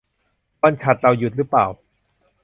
วันฉัตรเราหยุดรึเปล่า